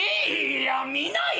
いや「見ない」！